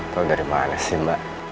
kalau dari mana sih mbak